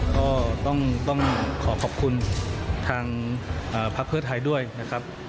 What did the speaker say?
ก็ต้องขอขอบคุณทางพักเพื่อไทยด้วยนะครับ